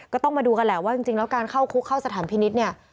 ก็ต้องมาดูกันแหละว่าจริงแล้วการเข้าคุกเข้าสถานพินิษฐ์เนี่ย